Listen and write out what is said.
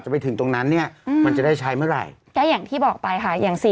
พี่คิดสภาพสิ